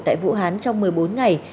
tại vũ hán trong một mươi bốn ngày